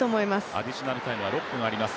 アディショナルタイムは６分あります。